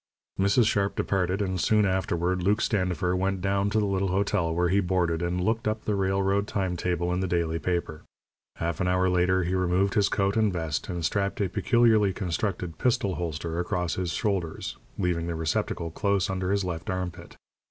Mrs. Sharp departed, and soon afterward Luke Standifer went down to the little hotel where he boarded and looked up the railroad time table in the daily paper. Half an hour later he removed his coat and vest, and strapped a peculiarly constructed pistol holster across his shoulders, leaving the receptacle close under his left armpit.